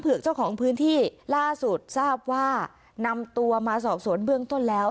เจ้าของพื้นที่ล่าสุดทราบว่านำตัวมาสอบสวนเบื้องต้นแล้ว